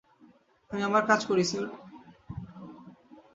আমি আমার কাজ করি স্যার!